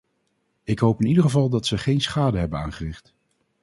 Ik hoop in ieder geval dat ze geen schade hebben aangericht.